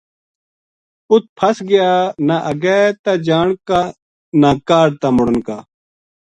اُت پھس گیانہ اَگے تا جان کا نہ کاہڈ تامڑن کا